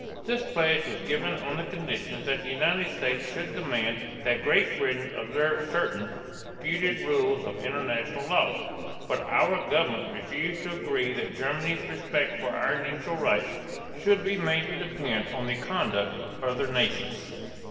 This pledge was given on the condition that the United States should demand that Great Britain observe certain (disputed) rules of international law; but our government refused to agree that Germany's respect for our neutral rights should be made to depend on the conduct of other nations.